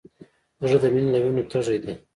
زړه د مینې له وینو تږی دی.